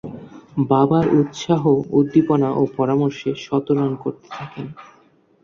বাবার উৎসাহ-উদ্দীপনা ও পরামর্শে শতরান করতে থাকেন।